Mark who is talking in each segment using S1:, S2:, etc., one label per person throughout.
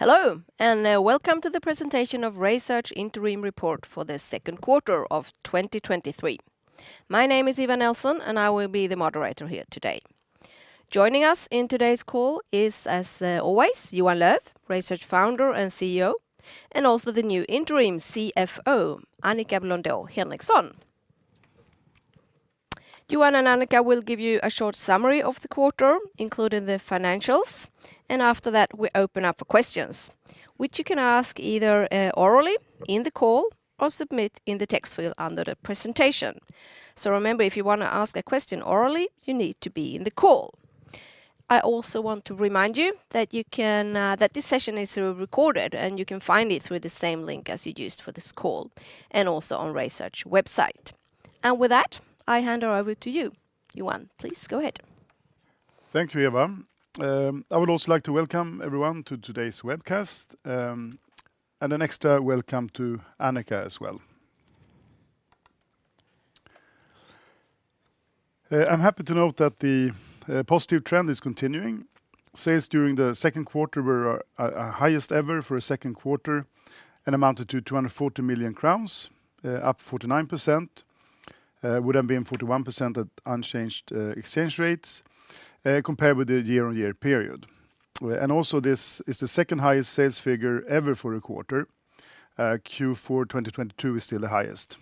S1: Hello, and, welcome to the presentation of RaySearch Interim Report for the Second Quarter of 2023. My name is Eva Nilsson, and I will be the moderator here today. Joining us in today's call is, as, always, Johan Löf, RaySearch founder and CEO, and also the new interim CFO, Annika Blondeau Henriksson. Johan and Annika will give you a short summary of the quarter, including the financials, and after that, we open up for questions, which you can ask either, orally in the call or submit in the text field under the presentation. So remember, if you want to ask a question orally, you need to be in the call. I also want to remind you that this session is recorded, and you can find it through the same link as you used for this call and also on RaySearch website. With that, I hand it over to you, Johan. Please, go ahead.
S2: Thank you, Eva. I would also like to welcome everyone to today's webcast, and an extra welcome to Annika as well. I'm happy to note that the positive trend is continuing. Sales during the second quarter were our highest ever for a second quarter and amounted to 240 million crowns, up 49%. Would have been 41% at unchanged exchange rates, compared with the year-on-year period. And also, this is the second highest sales figure ever for a quarter. Q4 2022 is still the highest.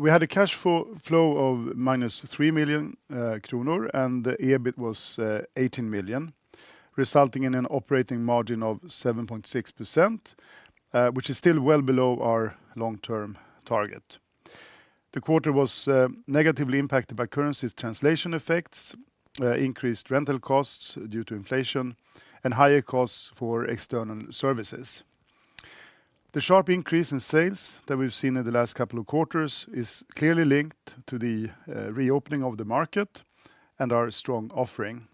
S2: We had a cash flow of -3 million kronor, and the EBIT was 18 million, resulting in an operating margin of 7.6%, which is still well below our long-term target. The quarter was negatively impacted by currency translation effects, increased rental costs due to inflation, and higher costs for external services. The sharp increase in sales that we've seen in the last couple of quarters is clearly linked to the reopening of the market and our strong offering.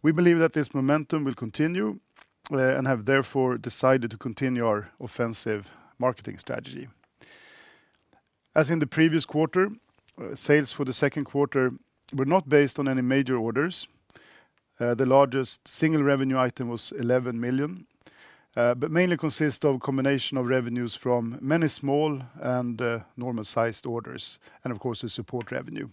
S2: We believe that this momentum will continue and have therefore decided to continue our offensive marketing strategy. As in the previous quarter, sales for the second quarter were not based on any major orders. The largest single revenue item was 11 million, but mainly consist of a combination of revenues from many small and normal-sized orders, and of course, the support revenue.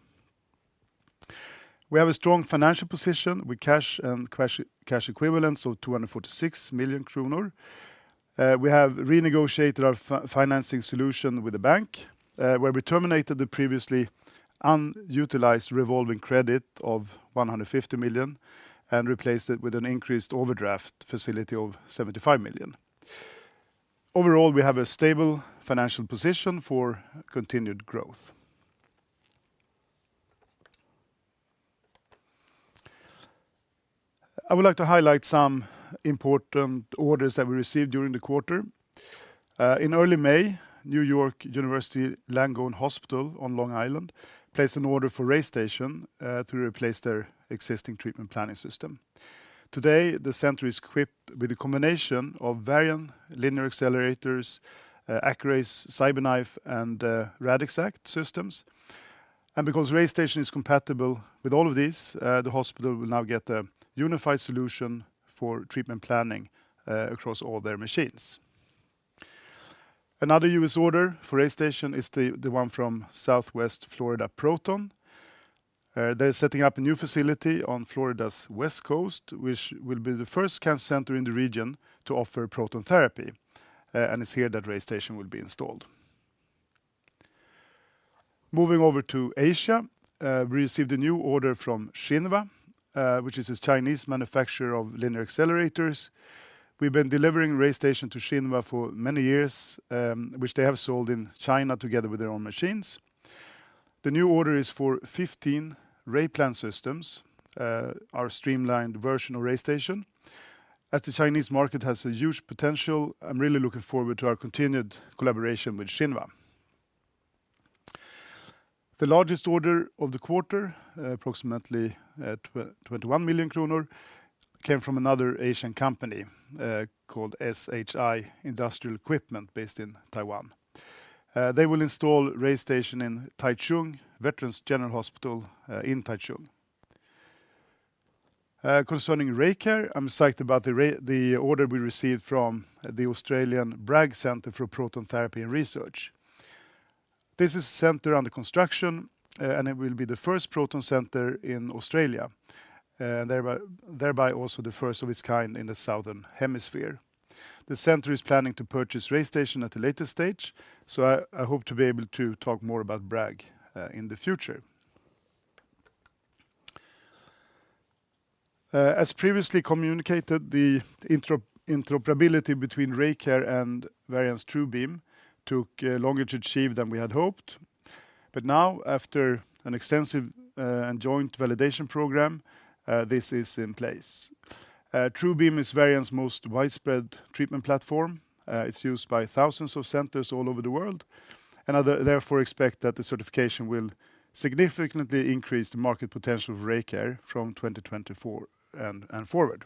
S2: We have a strong financial position with cash and cash equivalents of 246 million kronor. We have renegotiated our financing solution with the bank, where we terminated the previously unutilized revolving credit of 150 million and replaced it with an increased overdraft facility of 75 million. Overall, we have a stable financial position for continued growth. I would like to highlight some important orders that we received during the quarter. In early May, New York University Langone Hospital on Long Island placed an order for RayStation, to replace their existing treatment planning system. Today, the center is equipped with a combination of Varian linear accelerators, Accuray's CyberKnife, and Radixact systems. And because RayStation is compatible with all of these, the hospital will now get a unified solution for treatment planning, across all their machines. Another U.S. order for RayStation is the, the one from Southwest Florida Proton. They're setting up a new facility on Florida's West Coast, which will be the first cancer center in the region to offer proton therapy, and it's here that RayStation will be installed. Moving over to Asia, we received a new order from Shinva, which is a Chinese manufacturer of linear accelerators. We've been delivering RayStation to Shinva for many years, which they have sold in China together with their own machines. The new order is for 15 RayPlan systems, our streamlined version of RayStation. As the Chinese market has a huge potential, I'm really looking forward to our continued collaboration with Shinva. The largest order of the quarter, approximately 21 million kronor, came from another Asian company, called SHI Industrial Equipment, based in Taiwan. They will install RayStation in Taichung Veterans General Hospital in Taichung. Concerning RayCare, I'm excited about the order we received from the Australian Bragg Centre for Proton Therapy and Research. This is a center under construction, and it will be the first proton center in Australia, thereby also the first of its kind in the Southern Hemisphere. The center is planning to purchase RayStation at a later stage, so I hope to be able to talk more about Bragg in the future. As previously communicated, the interoperability between RayCare and Varian's TrueBeam took longer to achieve than we had hoped. But now, after an extensive and joint validation program, this is in place. TrueBeam is Varian's most widespread treatment platform. It's used by thousands of centers all over the world and I therefore expect that the certification will significantly increase the market potential of RayCare from 2024 and forward.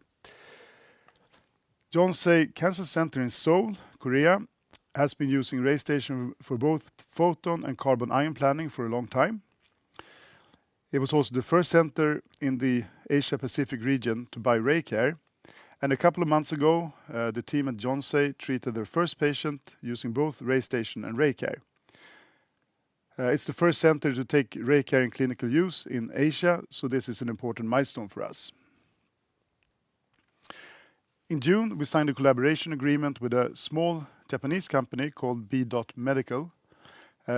S2: Yonsei Cancer Center in Seoul, Korea, has been using RayStation for both photon and carbon ion planning for a long time. It was also the first center in the Asia-Pacific region to buy RayCare, and a couple of months ago, the team at Yonsei treated their first patient using both RayStation and RayCare. It's the first center to take RayCare in clinical use in Asia, so this is an important milestone for us. In June, we signed a collaboration agreement with a small Japanese company called B-dot Medical.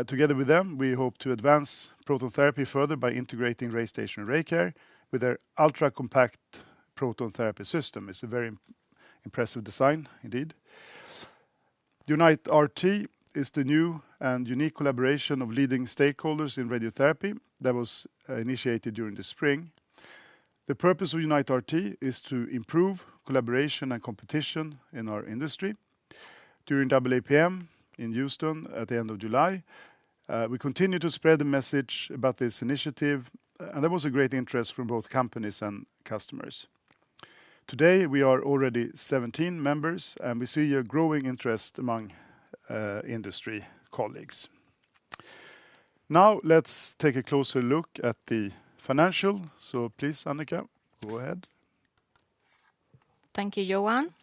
S2: Together with them, we hope to advance proton therapy further by integrating RayStation and RayCare with their ultra-compact proton therapy system. It's a very impressive design indeed. UniteRT is the new and unique collaboration of leading stakeholders in radiotherapy that was initiated during the spring. The purpose of UniteRT is to improve collaboration and competition in our industry. During AAPM in Houston at the end of July, we continued to spread the message about this initiative, and there was a great interest from both companies and customers. Today, we are already 17 members, and we see a growing interest among industry colleagues. Now, let's take a closer look at the financial. So please, Annika, go ahead.
S3: Thank you, Johan.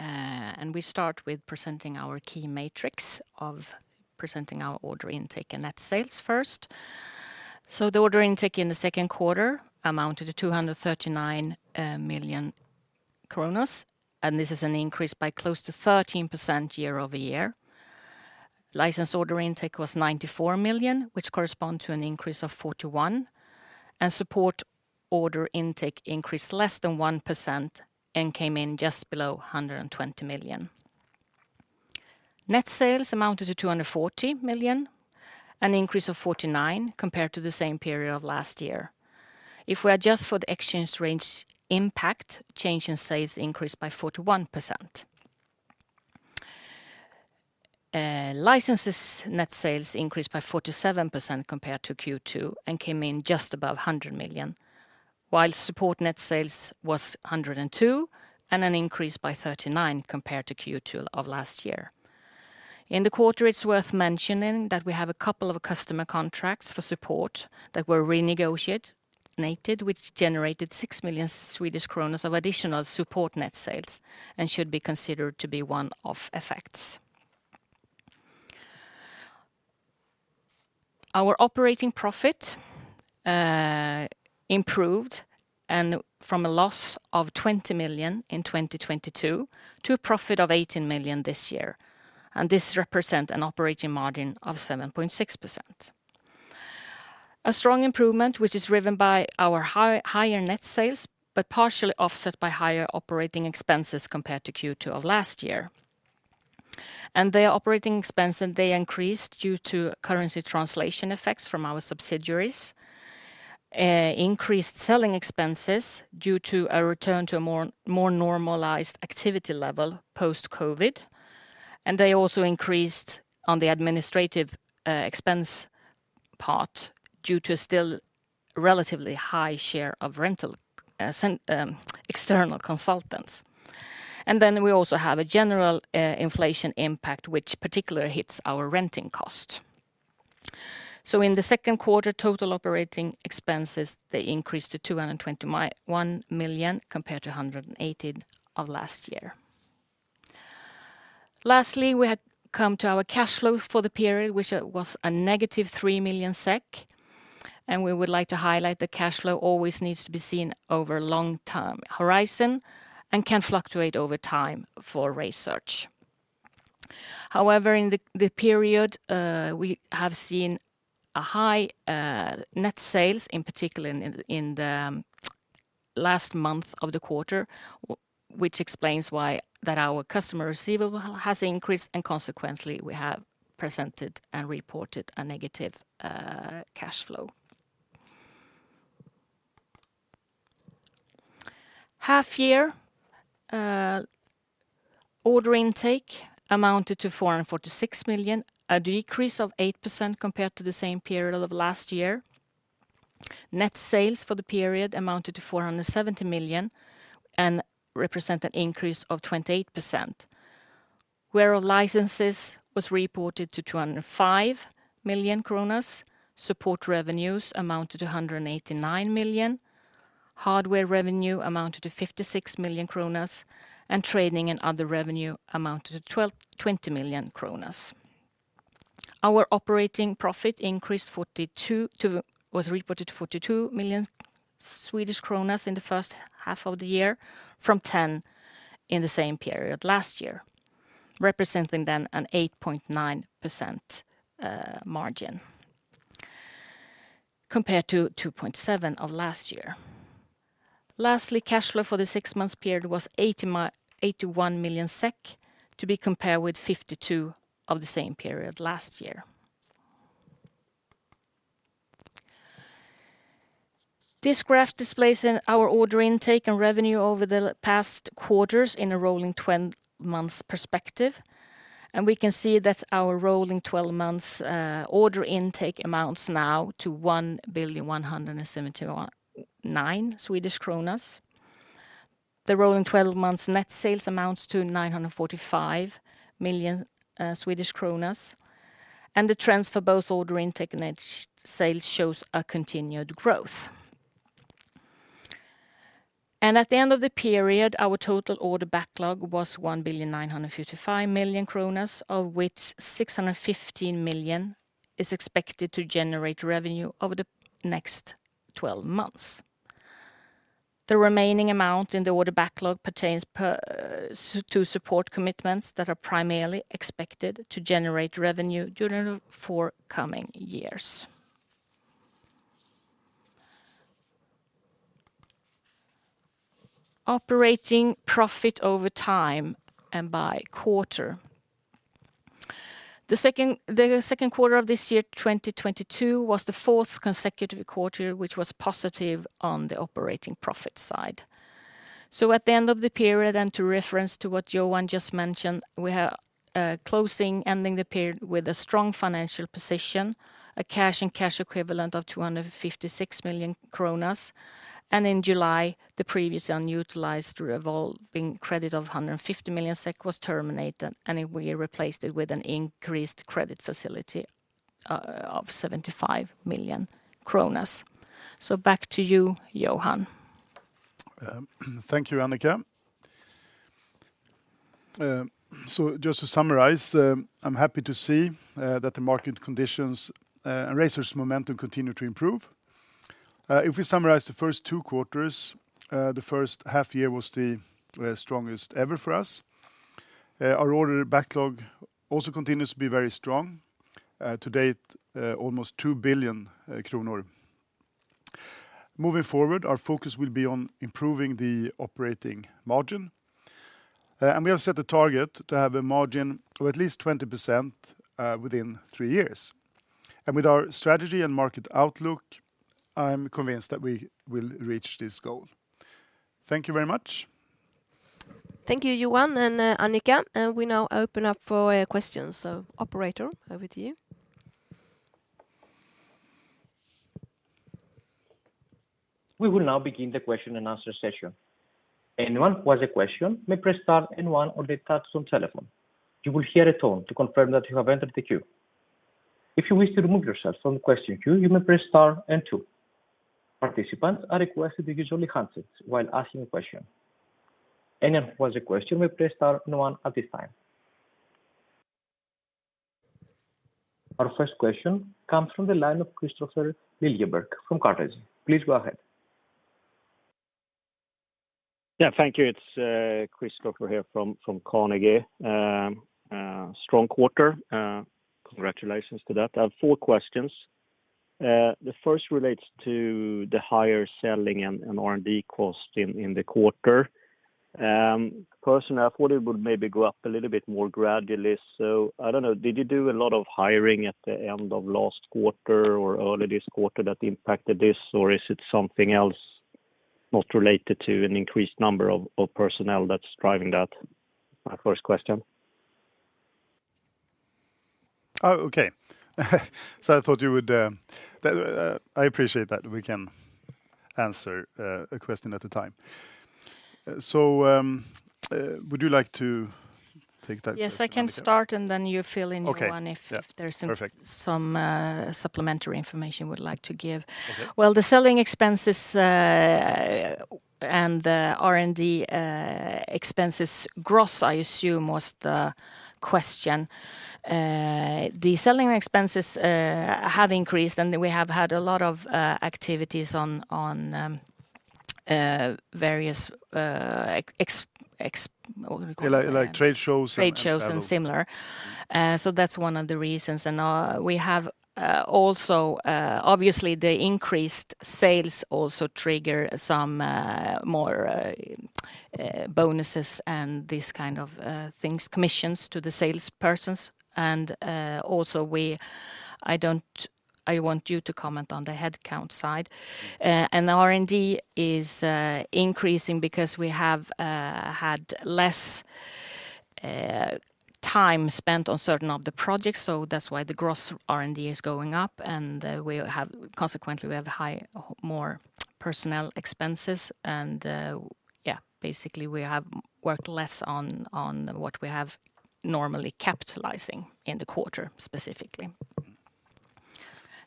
S3: And we start with presenting our key metrics of presenting our order intake and net sales first. The order intake in the second quarter amounted to 239 million, and this is an increase by close to 13% year-over-year. License order intake was 94 million, which correspond to an increase of 41%, and support order intake increased less than 1%, and came in just below 120 million SEK. Net sales amounted to 240 million, an increase of 49% compared to the same period of last year. If we adjust for the exchange rate impact, change in sales increased by 41%. Licenses net sales increased by 47% compared to Q2, and came in just above 100 million, while support net sales was 102 million, and an increase by 39% compared to Q2 of last year. In the quarter, it's worth mentioning that we have a couple of customer contracts for support that were renegotiated, which generated SEK 6 million of additional support net sales and should be considered to be one-off effects. Our operating profit improved from a loss of 20 million in 2022 to a profit of 18 million this year, and this represent an operating margin of 7.6%. A strong improvement, which is driven by our higher net sales, but partially offset by higher operating expenses compared to Q2 of last year. The operating expense, they increased due to currency translation effects from our subsidiaries, increased selling expenses due to a return to a more normalized activity level post-COVID, and they also increased on the administrative expense part, due to still relatively high share of rental, senior external consultants. Then we also have a general inflation impact, which particularly hits our renting cost. So in the second quarter, total operating expenses, they increased to 221 million compared to 180 of last year. Lastly, we had come to our cash flow for the period, which was -3 million SEK, and we would like to highlight that cash flow always needs to be seen over long-term horizon and can fluctuate over time for research. However, in the period, we have seen a high net sales, in particular in the last month of the quarter, which explains why that our customer receivable has increased, and consequently, we have presented and reported a negative cash flow. Half-year order intake amounted to 446 million, a decrease of 8% compared to the same period of last year. Net sales for the period amounted to 470 million, and represent an increase of 28%, where all licenses was reported to 205 million kronas, support revenues amounted to 189 million, hardware revenue amounted to 56 million kronas, and trading and other revenue amounted to twenty million kronas. Our operating profit was reported to 42 million Swedish kronor in the first half of the year, from 10 in the same period last year, representing then an 8.9% margin compared to 2.7 of last year. Lastly, cash flow for the six-month period was 81 million SEK, to be compared with 52 of the same period last year. This graph displays our order intake and revenue over the past quarters in a rolling twelve-months perspective, and we can see that our rolling twelve months order intake amounts now to 1,179 million Swedish kronor. The rolling 12 months net sales amounts to 945 million Swedish kronor, and the trends for both order intake and net sales shows a continued growth. At the end of the period, our total order backlog was 1,955 million kronor, of which 615 million is expected to generate revenue over the next 12 months. The remaining amount in the order backlog pertains per to support commitments that are primarily expected to generate revenue during the four coming years. Operating profit over time and by quarter. The second quarter of this year, 2022, was the fourth consecutive quarter, which was positive on the operating profit side. At the end of the period, and to reference to what Johan just mentioned, we are closing, ending the period with a strong financial position, a cash and cash equivalent of 256 million kronor. In July, the previously unutilized revolving credit of 150 million SEK was terminated, and we replaced it with an increased credit facility of 75 million kronor. So back to you, Johan.
S2: Thank you, Annika. So just to summarize, I'm happy to see that the market conditions and RaySearch's momentum continue to improve. If we summarize the first 2 quarters, the first half year was the strongest ever for us. Our order backlog also continues to be very strong, to date, almost 2 billion kronor. Moving forward, our focus will be on improving the operating margin, and we have set a target to have a margin of at least 20%, within three years. With our strategy and market outlook, I'm convinced that we will reach this goal. Thank you very much.
S1: Thank you, Johan and Annika. We now open up for questions. Operator, over to you.
S4: We will now begin the question and answer session. Anyone who has a question may press star and one on the touch-tone telephone. You will hear a tone to confirm that you have entered the queue. If you wish to remove yourself from the question queue, you may press star and two. Participants are requested to use only handsets while asking a question. Anyone who has a question may press star and one at this time. Our first question comes from the line of Kristofer Liljeberg from Carnegie. Please go ahead.
S5: Yeah, thank you. It's Kristofer here from Carnegie. Strong quarter, congratulations to that. I have four questions. The first relates to the higher selling and R&D cost in the quarter. Personally, I thought it would maybe go up a little bit more gradually, so I don't know, did you do a lot of hiring at the end of last quarter or early this quarter that impacted this? Or is it something else not related to an increased number of personnel that's driving that? My first question.
S2: Oh, okay. So, I thought you would. I appreciate that we can answer a question at a time. So, would you like to take that?
S3: Yes, I can start, and then you fill in, Johan-
S2: Okay, yeah.
S3: if there's some-
S2: Perfect...
S3: some supplementary information you would like to give.
S2: Okay.
S3: Well, the selling expenses and the R&D expenses growth, I assume, was the question. The selling expenses have increased, and we have had a lot of activities on various ex- what do we call them?
S2: Like, like, trade shows.
S3: Trade shows and similar. So that's one of the reasons. We have also obviously the increased sales also trigger some more bonuses and these kind of things, commissions to the salespersons. I want you to comment on the headcount side. The R&D is increasing because we have had less time spent on certain of the projects, so that's why the gross R&D is going up, and consequently, we have higher personnel expenses. Basically, we have worked less on what we have normally capitalizing in the quarter, specifically.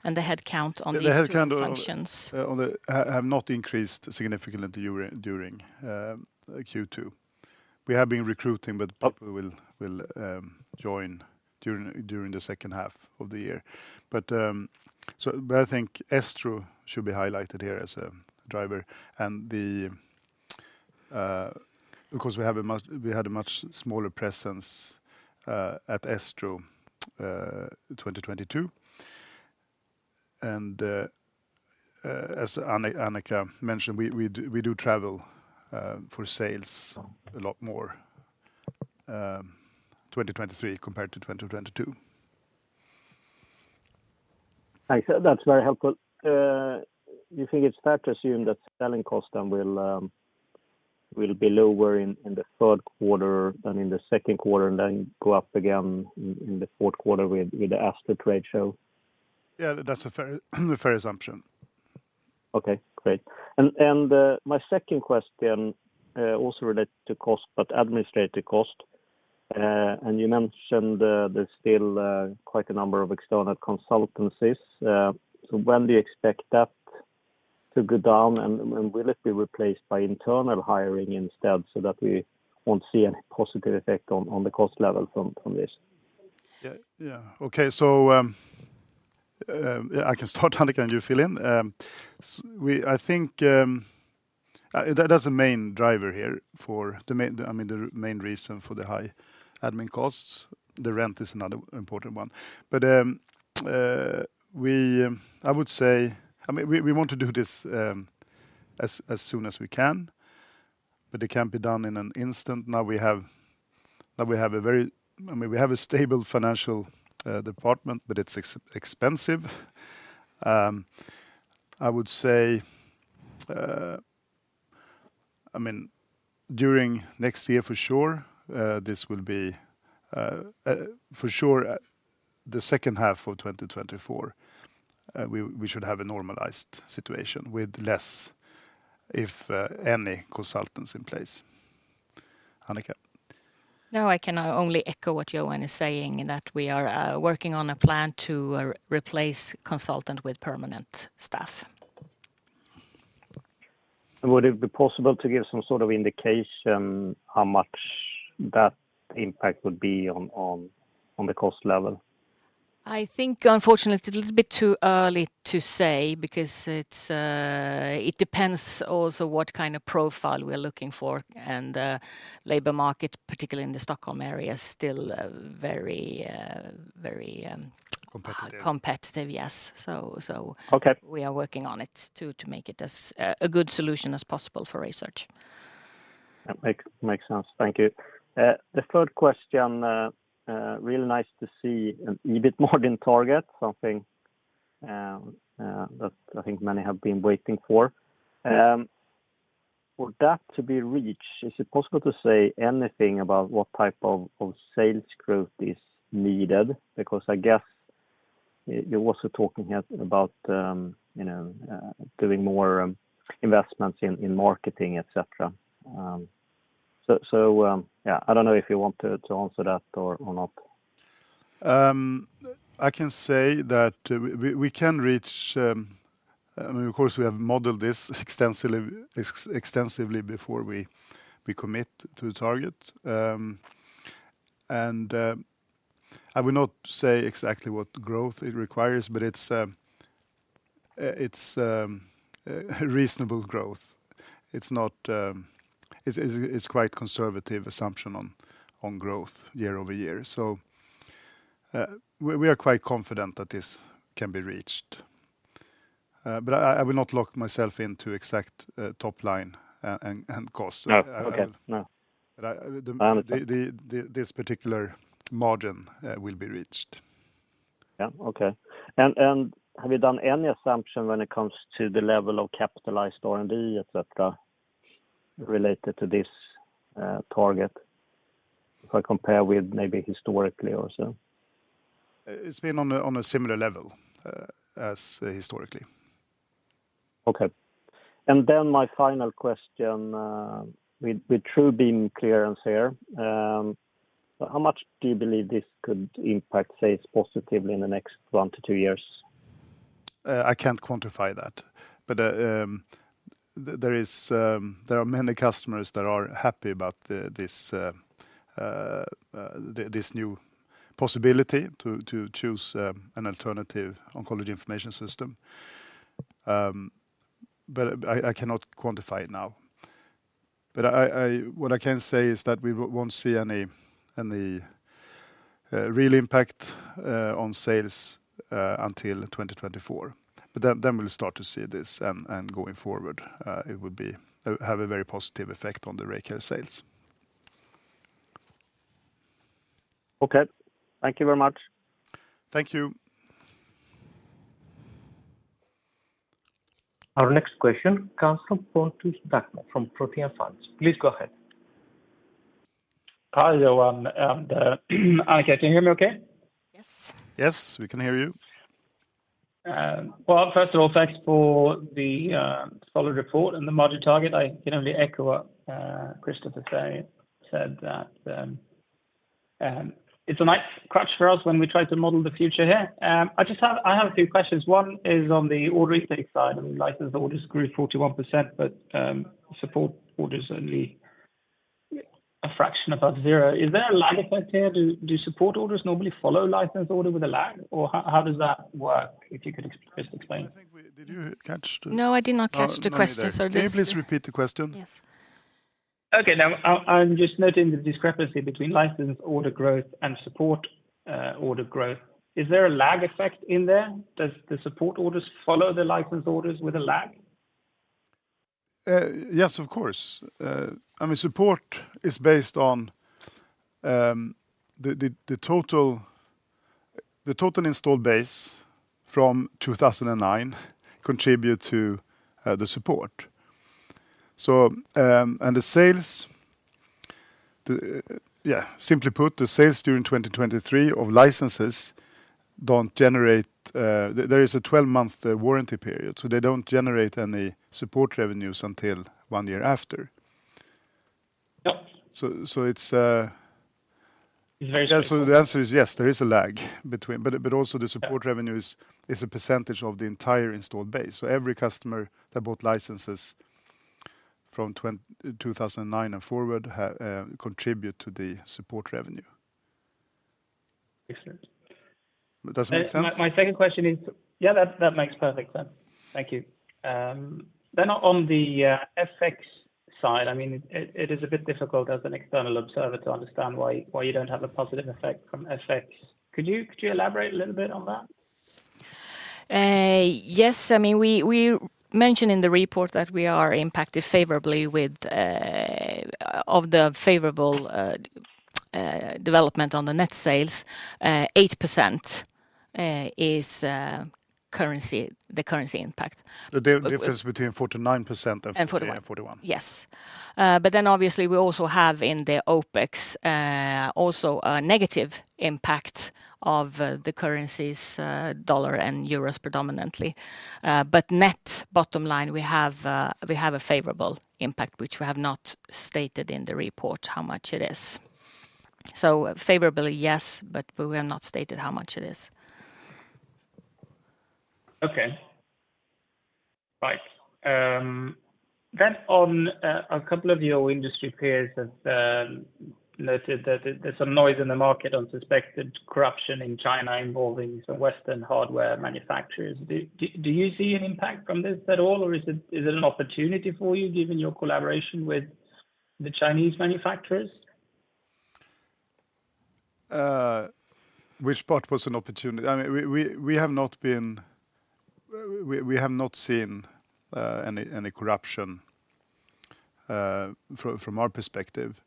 S3: The headcount on these two functions-
S2: The headcount on the have not increased significantly during Q2. We have been recruiting, but we will join during the second half of the year. But I think ESTRO should be highlighted here as a driver and the... Because we had a much smaller presence at ESTRO 2022. And as Annika mentioned, we do travel for sales a lot more 2023 compared to 2022.
S5: Thanks. That's very helpful. You think it's fair to assume that selling cost will be lower in the third quarter than in the second quarter, and then go up again in the fourth quarter with the ASTRO trade show?...
S2: Yeah, that's a fair assumption.
S5: Okay, great. And my second question, also related to cost, but administrative cost. And you mentioned, there's still quite a number of external consultancies. So when do you expect that to go down, and will it be replaced by internal hiring instead so that we won't see any positive effect on the cost level from this?
S2: Yeah. Yeah. Okay, so, I can start, Annika, and you fill in. I think that that's the main driver here for the main-- I mean, the main reason for the high admin costs. The rent is another important one. But, we... I would say, I mean, we want to do this, as soon as we can, but it can't be done in an instant. Now, we have, now we have a very-- I mean, we have a stable financial department, but it's expensive. I would say, I mean, during next year, for sure, this will be, for sure, the second half of 2024, we should have a normalized situation with less, if any, consultants in place. Annika.
S3: Now, I can only echo what Johan is saying, that we are working on a plan to replace consultant with permanent staff.
S5: Would it be possible to give some sort of indication how much that impact would be on the cost level?
S3: I think unfortunately, it's a little bit too early to say because it's, it depends also what kind of profile we are looking for. And, labor market, particularly in the Stockholm area, is still, very, very...
S2: Competitive...
S3: competitive, yes. So,
S5: Okay.
S3: We are working on it to make it as a good solution as possible for RaySearch.
S5: That makes sense. Thank you. The third question, really nice to see an EBIT margin target, something that I think many have been waiting for.
S2: Yes.
S5: For that to be reached, is it possible to say anything about what type of sales growth is needed? Because I guess you, you're also talking here about, you know, doing more investments in marketing, et cetera. So, yeah, I don't know if you want to answer that or not.
S2: I can say that we can reach. I mean, of course, we have modeled this extensively before we commit to the target. And I will not say exactly what growth it requires, but it's a reasonable growth. It's not, it's quite conservative assumption on growth year-over-year. So, we are quite confident that this can be reached. But I will not lock myself into exact top line and cost.
S5: No. Okay. No.
S2: But I-
S5: I understand...
S2: the this particular margin will be reached.
S5: Yeah. Okay. And, have you done any assumption when it comes to the level of capitalized R&D, et cetera, related to this, target, if I compare with maybe historically or so?
S2: It's been on a, on a similar level, as historically.
S5: Okay. And then my final question, with TrueBeam clearance here, how much do you believe this could impact, say, positively in the next one to two years?
S2: I can't quantify that, but there are many customers that are happy about this new possibility to choose an alternative oncology information system. But I cannot quantify it now. But what I can say is that we won't see any real impact on sales until 2024. But then we'll start to see this, and going forward, it would have a very positive effect on the RayCare sales.
S5: Okay. Thank you very much.
S2: Thank you.
S4: Our next question comes from Pontus Dackmo, from Protean Funds. Please go ahead.
S6: Hi, Johan and Annika. Can you hear me okay?
S3: Yes.
S2: Yes, we can hear you.
S6: Well, first of all, thanks for the solid report and the margin target. I can only echo what Christopher said, that it's a nice crutch for us when we try to model the future here. I just have a few questions. One is on the order intake side. I mean, license orders grew 41%, but support orders only a fraction above zero. Is there a lag effect here? Do support orders normally follow license order with a lag, or how does that work? If you could just explain.
S2: Did you catch the-
S3: No, I did not catch the question, so just-
S2: Can you please repeat the question?
S3: Yes.
S6: Okay, now, I'm just noting the discrepancy between license order growth and support order growth. Is there a lag effect in there? Does the support orders follow the license orders with a lag?
S2: Yes, of course. I mean, support is based on the total installed base from 2009 contribute to the support. So, simply put, the sales during 2023 of licenses don't generate; there is a 12-month warranty period, so they don't generate any support revenues until one year after.
S6: Yep.
S2: So it's
S6: It's very-
S2: Yeah, so the answer is yes, there is a lag between, but, but also the-
S6: Yeah...
S2: support revenue is a percentage of the entire installed base. So every customer that bought licenses from 2009 and forward contribute to the support revenue.
S6: Excellent.
S2: Does that make sense?
S6: My second question is. Yeah, that makes perfect sense. Thank you. Then on the FX side, I mean, it is a bit difficult as an external observer to understand why you don't have a positive effect from FX. Could you elaborate a little bit on that?
S3: Yes. I mean, we mentioned in the report that we are impacted favorably with of the favorable development on the net sales. 8% is currency, the currency impact.
S2: The difference between 49% and-
S3: And forty-one...
S2: and 41.
S3: Yes. But then obviously we also have in the OpEx also a negative impact of the currencies, dollar and euros predominantly. But net bottom line, we have, we have a favorable impact, which we have not stated in the report how much it is. So favorably, yes, but we have not stated how much it is.
S6: Okay. Right. Then on, a couple of your industry peers have noted that there's some noise in the market on suspected corruption in China involving some Western hardware manufacturers. Do you see an impact from this at all, or is it an opportunity for you, given your collaboration with the Chinese manufacturers?
S2: Which part was an opportunity? I mean, we have not been... We have not seen any corruption from our perspective.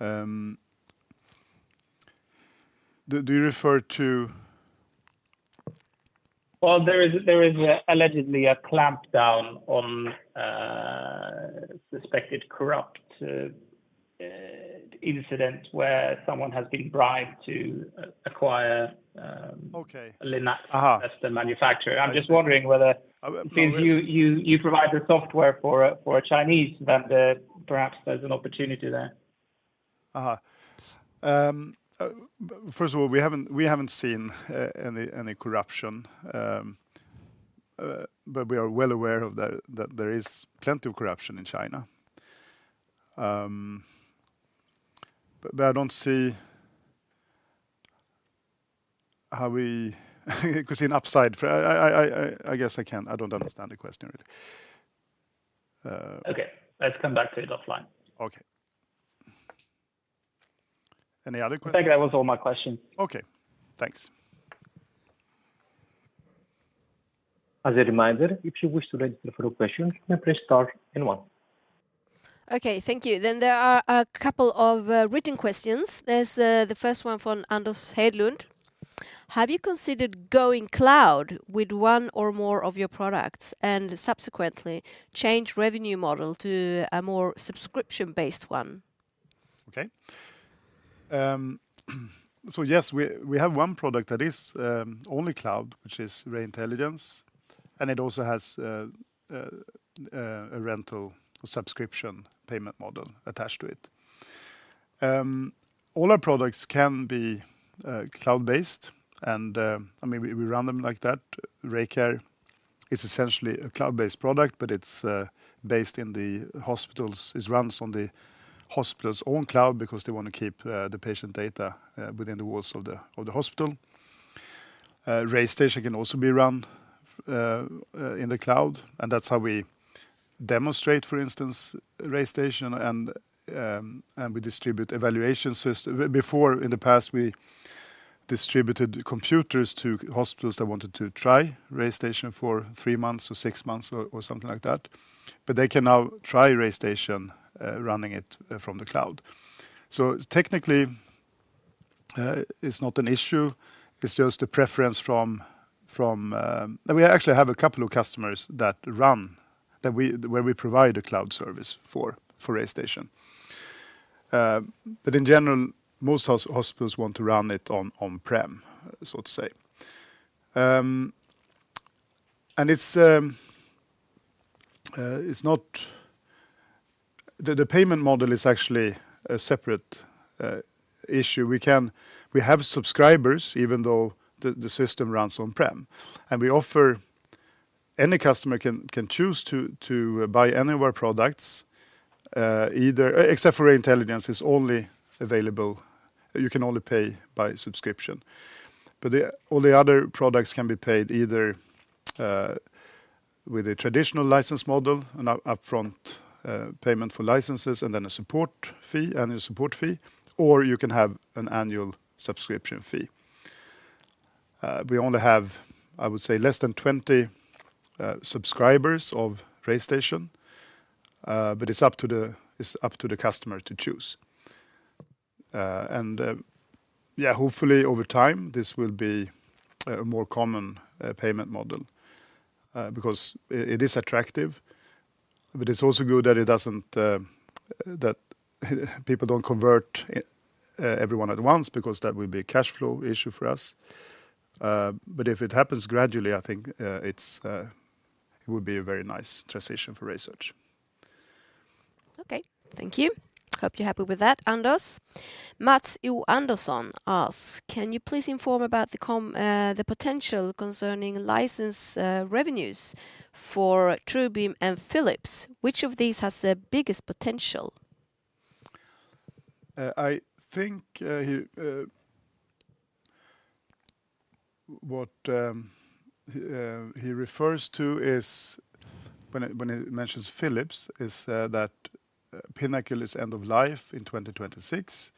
S2: Do you refer to?
S6: Well, there is allegedly a clampdown on suspected corrupt incident where someone has been bribed to acquire.
S2: Okay.
S6: -a Linux-
S2: Aha...
S6: as the manufacturer.
S2: I see.
S6: I'm just wondering whether-
S2: Uh, well-
S6: Since you provide the software for a Chinese vendor, perhaps there's an opportunity there.
S2: Aha. First of all, we haven't seen any corruption. But we are well aware that there is plenty of corruption in China. But I don't see how we could see an upside for... I guess I can't. I don't understand the question really.
S6: Okay, let's come back to it offline.
S2: Okay. Any other questions?
S6: I think that was all my questions.
S2: Okay, thanks.
S4: As a reminder, if you wish to register for a question, you may press star then one.
S3: Okay, thank you. Then there are a couple of written questions. There's the first one from Anders Hedlund: "Have you considered going cloud with one or more of your products, and subsequently, change revenue model to a more subscription-based one?
S2: Okay. So yes, we have one product that is only cloud, which is RayIntelligence, and it also has a rental subscription payment model attached to it. All our products can be cloud-based, and I mean, we run them like that. RayCare is essentially a cloud-based product, but it's based in the hospitals. It runs on the hospital's own cloud because they want to keep the patient data within the walls of the hospital. RayStation can also be run in the cloud, and that's how we demonstrate, for instance, RayStation, and we distribute evaluation system. Before, in the past, we distributed computers to hospitals that wanted to try RayStation for three months, or six months, or something like that, but they can now try RayStation, running it from the cloud. So technically, it's not an issue, it's just a preference from. And we actually have a couple of customers where we provide a cloud service for RayStation. But in general, most hospitals want to run it on-prem, so to say. And it's not. The payment model is actually a separate issue. We have subscribers, even though the system runs on-prem, and we offer. Any customer can choose to buy any of our products, either, except for RayIntelligence, it's only available, you can only pay by subscription. But all the other products can be paid either with a traditional license model, an upfront payment for licenses, and then a support fee, annual support fee, or you can have an annual subscription fee. We only have, I would say, less than 20 subscribers of RayStation, but it's up to the customer to choose. And yeah, hopefully over time, this will be a more common payment model because it is attractive, but it's also good that it doesn't, that people don't convert everyone at once, because that will be a cash flow issue for us. But if it happens gradually, I think it would be a very nice transition for RaySearch.
S1: Okay. Thank you. Hope you're happy with that, Anders. Mats Andersson asks, "Can you please inform about the potential concerning license revenues for TrueBeam and Philips? Which of these has the biggest potential?
S2: I think what he refers to is, when he mentions Philips, that Pinnacle is end of life in 2026,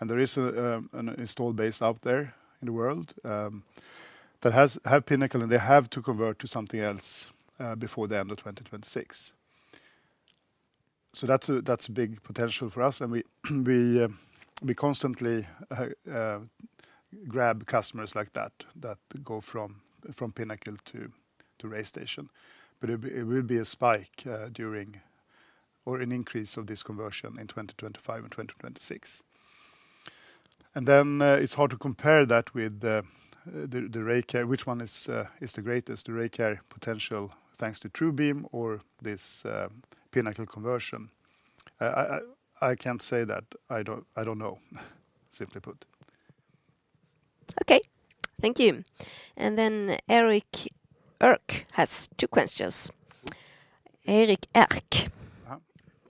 S2: and there is an installed base out there in the world that have Pinnacle, and they have to convert to something else before the end of 2026. So that's a big potential for us, and we constantly grab customers like that that go from Pinnacle to RayStation. But it would be a spike during or an increase of this conversion in 2025 and 2026. And then it's hard to compare that with the RayCare, which one is the greatest, the RayCare potential, thanks to TrueBeam or this Pinnacle conversion. I can't say that. I don't know, simply put.
S1: Okay. Thank you. And then Eric Erk has two questions. Eric Erk.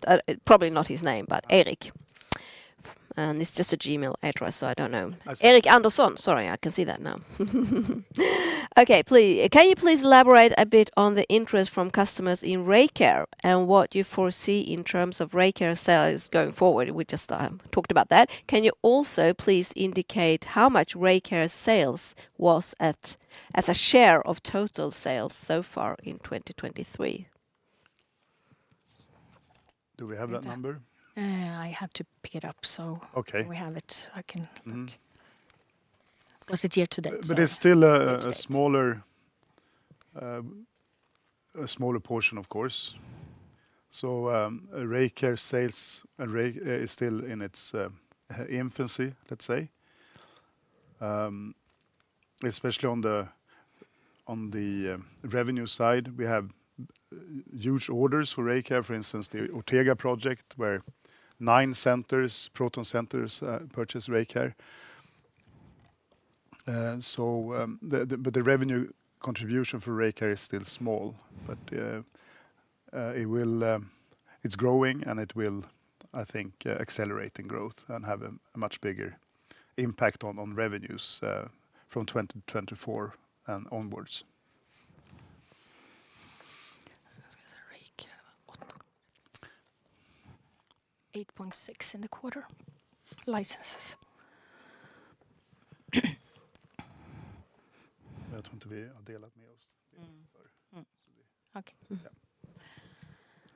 S2: Uh.
S1: Probably not his name, but Eric. And it's just a Gmail address, so I don't know.
S2: I see.
S1: Eric Anderson! Sorry, I can see that now. Okay, please, "Can you please elaborate a bit on the interest from customers in RayCare and what you foresee in terms of RayCare sales going forward?" We just talked about that. "Can you also please indicate how much RayCare sales was at as a share of total sales so far in 2023?
S2: Do we have that number?
S3: I have to pick it up, so-
S2: Okay.
S3: We have it. I can-
S2: Mm-hmm.
S3: Was it year to date, so-?
S2: But it's still a smaller portion, of course. So, RayCare sales and RayCare is still in its infancy, let's say. Especially on the revenue side, we have huge orders for RayCare, for instance, the Ortega project, where nine centers, proton centers, purchased RayCare. So, but the revenue contribution for RayCare is still small. But it will... It's growing, and it will, I think, accelerate in growth and have a much bigger impact on revenues from 2024 and onwards.
S3: RayCare, SEK 8. 8.6 in the quarter. Licenses. Okay.
S2: Yeah.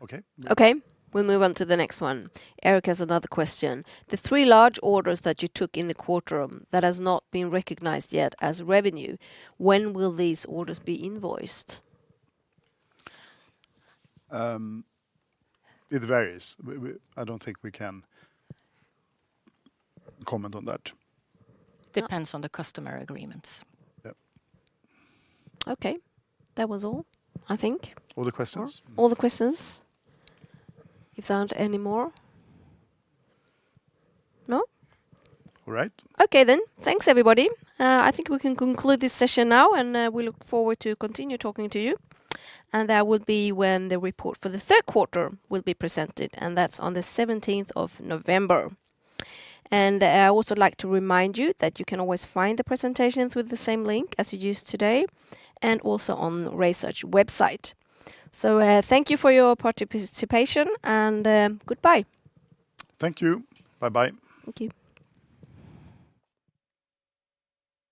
S2: Okay.
S1: Okay, we'll move on to the next one. Eric has another question: "The three large orders that you took in the quarter that has not been recognized yet as revenue, when will these orders be invoiced?
S2: It varies. We, I don't think we can comment on that.
S1: Depends on the customer agreements.
S2: Yep.
S1: Okay. That was all, I think.
S2: All the questions?
S1: All the questions. You found anymore? No?
S2: All right.
S1: Okay, then. Thanks, everybody. I think we can conclude this session now, and we look forward to continue talking to you. And that will be when the report for the third quarter will be presented, and that's on the seventeenth of November. And I would also like to remind you that you can always find the presentation through the same link as you used today, and also on RaySearch website. So, thank you for your participation, and goodbye.
S2: Thank you. Bye-bye.
S3: Thank you.